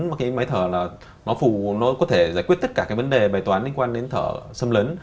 mà cái máy thở nó phù nó có thể giải quyết tất cả cái vấn đề bài toán liên quan đến thở xâm lấn